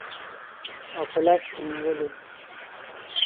او په لاس کې نیولي